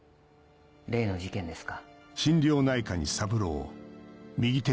例の事件ですか？